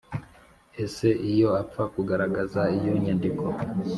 ese iyo apfa kugaragaza iyo nyandiko